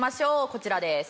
こちらです。